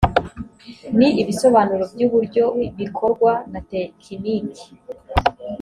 ni ibisobanuro by’uburyo bikorwa na tekiniki